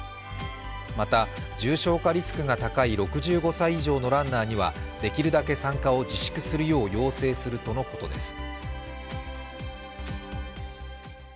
また、重症化リスクが高い６５歳以上のランナーにはできるだけ参加を自粛するよう要請するとのことです。